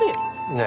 ねえ。